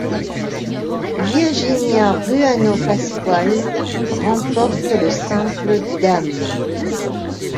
Virginia Ruano Pascual remporte le simple dames.